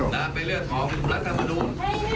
น่าไปเลือกของรัฐธรรมนุน